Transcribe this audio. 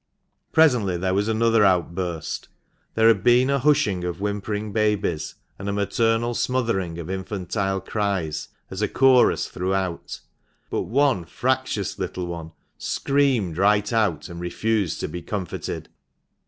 Presently there was another outburst. There had been a hushing of whimpering babies, and a maternal smothering of infantile cries, as a chorus throughout ; but one fractious little one screamed right out, and refused to be comforted.